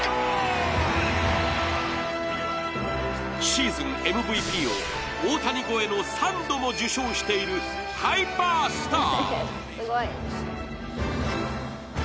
シーズンＭＶＰを大谷超えの３度も受賞しているハイパースター。